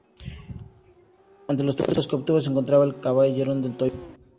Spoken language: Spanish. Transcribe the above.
Entre los títulos que obtuvo se encontraba el de Caballero del Toisón de Oro.